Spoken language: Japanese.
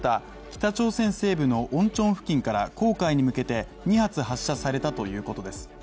北朝鮮西部のオンチョン付近から黄海に向けて２発発射されたということです。